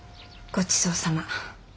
ごちそうさま。